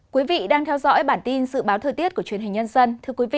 quý vị đang theo dõi bản tin dự báo thời tiết của truyền hình nhân dân